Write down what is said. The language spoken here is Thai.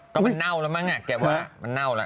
ก็มันเน่าแล้วมั้งอ่ะแกว่ามันเน่าแล้ว